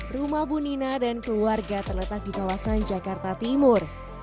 rumah bunina dan keluarga terletak di kawasan jakarta timur